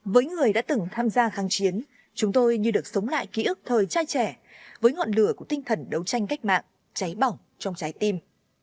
với người đã từng tham gia kháng chiến chúng tôi như được sống lại ký ức thời trai trẻ với ngọn lửa của tinh thần đấu tranh cách mạng cháy bỏng trong trái tim